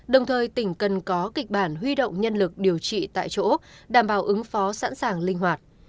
đồng thời tỉnh cần có kịch bản huy động nhân lực điều trị tại chỗ đảm bảo ứng phó sẵn sàng linh hoạt